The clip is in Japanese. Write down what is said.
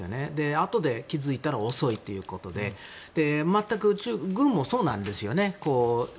あとで気づいたら遅いということで軍もそうなんですよね。